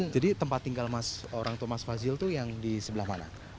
jadi tempat tinggal orang itu mas fasil itu yang di sebelah mana